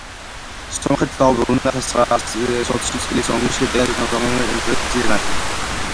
სომხეთს დაუბრუნდა ათასცხრაასოცი წლის ომის შედეგად ჩამორთმეული ტერიტორიის მცირე ნაწილი